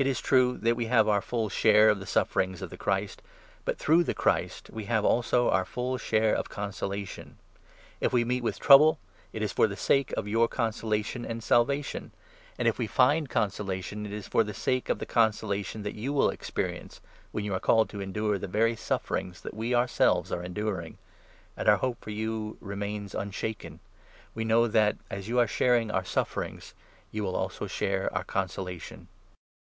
It is true that we have our full 5 share of the sufferings of the Christ, but through the Christ we have also our full share of consolation. If we meet with 6 trouble, it is for the sake of your consolation and salvation ; and, if we find consolation, it is for the sake of the consolation that you will experience when you are called to endure the very sufferings that we ourselves are enduring ; and our hope for 7 you remains unshaken. We know that, as you are sharing our sufferings, you will also share our consolation.